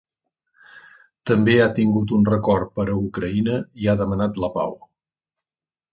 També ha tingut un record per a Ucraïna i ha demanat la pau.